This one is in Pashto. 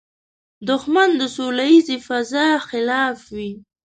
دښمن د سولیزې فضا خلاف وي